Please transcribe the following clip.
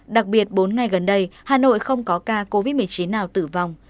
đặc biệt bốn ngày gần đây hà nội không có ca covid một mươi chín nào tử vong